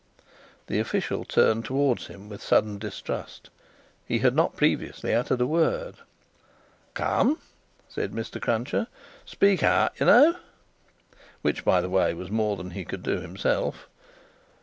The official turned towards him with sudden distrust. He had not previously uttered a word. "Come!" said Mr. Cruncher. "Speak out, you know." (Which, by the way, was more than he could do himself.)